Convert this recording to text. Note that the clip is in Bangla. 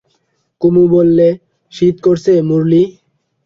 কুমু বললে, শীত করছে মুরলী?